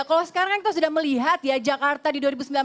kalau sekarang kan kita sudah melihat ya jakarta di dua ribu sembilan belas